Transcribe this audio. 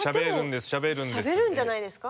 でもしゃべるんじゃないですか？